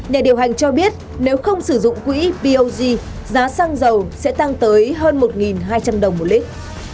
nhà điều hành cho biết nếu không sử dụng quỹ bog giá xăng dầu sẽ tăng tới hơn một hai trăm linh đồng một lít